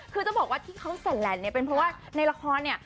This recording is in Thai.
คือจะบอกว่าที่เขาสนแลนด์เนี่ยเป็นเพราะว่าในละครเนี่ย